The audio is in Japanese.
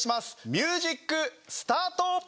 ミュージックスタート！